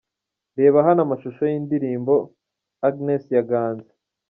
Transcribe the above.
Reba hano amashusho y’indirimbo “Agnes” ya Ganza.